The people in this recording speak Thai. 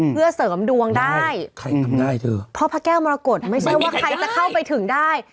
เพื่อเสริมดวงได้เพราะพระแก้วมรกฏไม่ใช่ว่าใครจะเข้าไปทึงได้